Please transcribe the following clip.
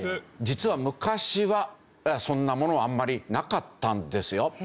実は昔はそんなものあんまりなかったんですよ。